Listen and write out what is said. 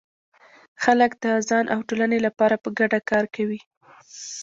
خلک د ځان او ټولنې لپاره په ګډه کار کوي.